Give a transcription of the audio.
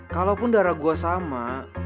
kalaupun darah gue sama